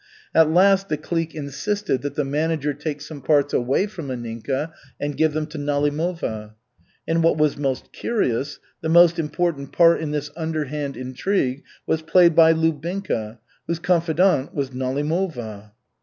At last the clique insisted that the manager take some parts away from Anninka and give them to Nalimova. And what was most curious, the most important part in this underhand intrigue was played by Lubinka, whose confidant was Nalimova.